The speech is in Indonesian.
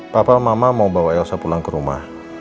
papa mama mau bawa elsa pulang ke rumah